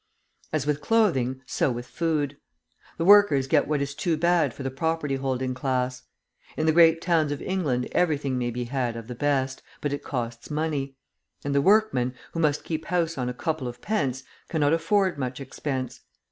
As with clothing, so with food. The workers get what is too bad for the property holding class. In the great towns of England everything may be had of the best, but it costs money; and the workman, who must keep house on a couple of pence, cannot afford much expense.